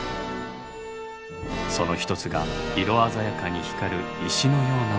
その一つが色鮮やかに光る石のようなもの。